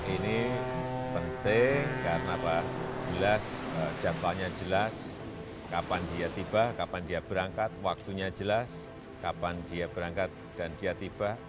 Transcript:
ini penting karena apa jelas jadwalnya jelas kapan dia tiba kapan dia berangkat waktunya jelas kapan dia berangkat dan dia tiba